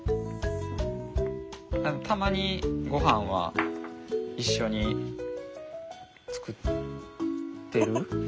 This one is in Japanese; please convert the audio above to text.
たまにごはんは一緒に作ってる？